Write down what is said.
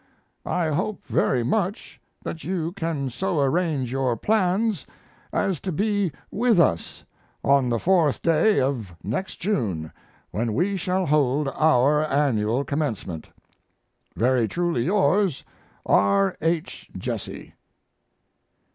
I hope very much that you can so arrange your plans as to be with us on the fourth day of next June, when we shall hold our Annual Commencement. Very truly yours, R. H. JESSE.